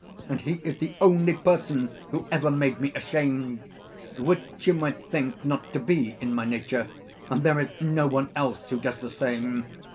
And he is the only person who ever made me ashamed, which you might think not to be in my nature, and there is no one else who does the same.